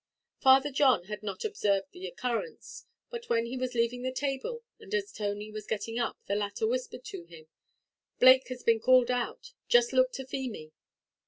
Father John had not observed the occurrence; but when he was leaving the table, and as Tony was getting up, the latter whispered to him, "Blake has been called out. Just look to Feemy."